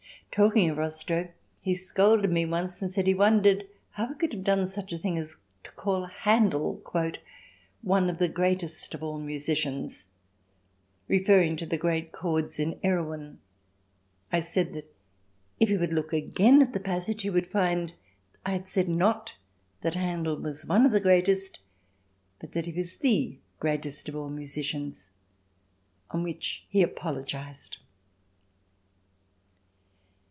Talking of Rockstro, he scolded me once and said he wondered how I could have done such a thing as to call Handel "one of the greatest of all musicians," referring to the great chords in Erewhon. I said that if he would look again at the passage he would find I had said not that Handel was "one of the greatest" but that he was "the greatest of all musicians," on which he apologised.